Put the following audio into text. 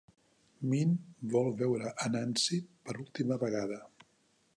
Min vol veure a Nancy per última vegada.